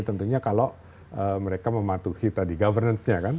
tentunya kalau mereka mematuhi tadi governance nya kan